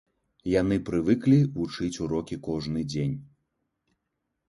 Яны прывыклі вучыць урокі кожны дзень.